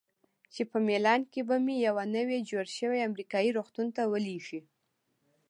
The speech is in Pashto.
چې په میلان کې به مې یوه نوي جوړ شوي امریکایي روغتون ته ولیږي.